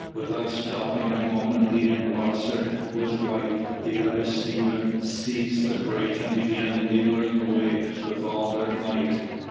Without stopping a moment, he and Wasser, with White, the other seaman, seized the break, and began labouring away with all their might.